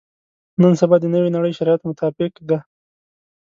نن سبا د نوې نړۍ شرایطو مطابق ده.